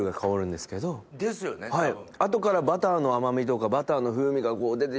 はい。